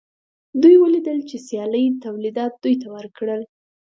دوی ولیدل چې سیالۍ تولیدات دوی ته ورکړل